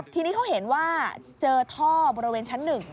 ทีนี้เขาเห็นว่าเจอท่อบริเวณชั้น๑